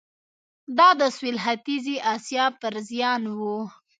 دا د سوېل ختیځې اسیا پر زیان و.